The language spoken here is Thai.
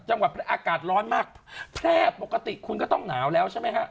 จังหวัดอากาศร้อนมากแพร่ปกติคุณก็ต้องหนาวแล้วใช่ไหมฮะ